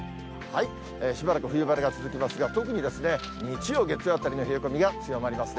しばらく冬晴れが続きますが、特に日曜、月曜あたりの冷え込みが強まりますね。